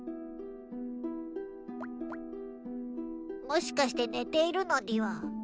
もしかして寝ているのでぃは？